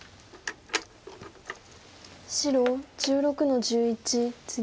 白１６の十一ツギ。